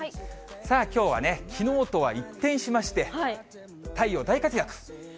きょうはね、きのうとは一転しまして、太陽、大活躍。